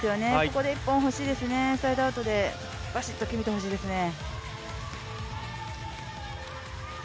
ここで１本欲しいですね、サイドアウトでバシッと決めてほしいですね。